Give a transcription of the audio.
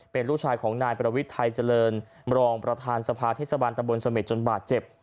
เป็นลูกชายของนายประวิทย์ไทยเจริญรองประธานสภาเทศบาลตะบนเสม็ดจนบาดเจ็บ